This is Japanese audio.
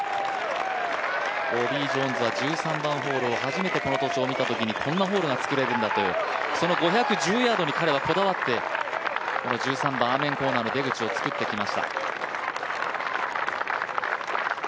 ボビー・ジョーンズは１３番ホール、初めてこの土地を見たときにこんなホールが造れるんだと、その５１０ヤードに彼はこだわって１３番アーメンコーナーの出口をつくってきました。